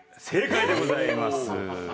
正解でございます。